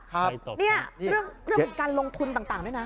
เรื่องการลงทุนต่างด้วยนะ